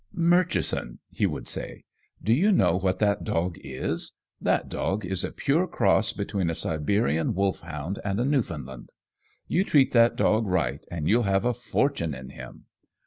"Murchison," he would say, "do you know what that dog is? That dog is a pure cross between a Siberian wolfhound and a Newfoundland. You treat that dog right and you'll have a fortune in him.